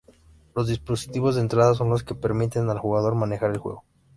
Los dispositivos de entrada son los que permiten al jugador manejar el juego.